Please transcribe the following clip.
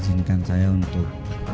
izinkan saya untuk